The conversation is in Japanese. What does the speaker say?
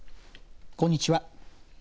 こんにちは。